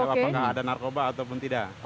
apakah ada narkoba ataupun tidak